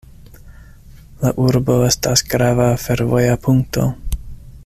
La urbo estas grava fervoja punkto.